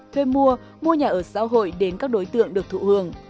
thuê mua mua nhà ở xã hội đến các đối tượng được thụ hưởng